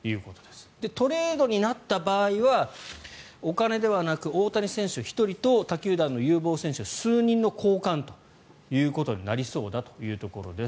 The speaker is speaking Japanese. トレードになった場合はお金ではなく大谷選手１人と他球団の有望選手数人の交換となりそうだということです。